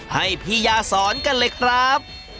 ให้พี่ยาสอนกันเลยครับ